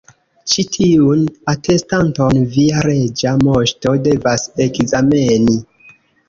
Ĉi tiun atestanton via Reĝa Moŝto devas ekzameni.